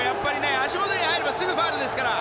足元に入ればすぐファウルですから。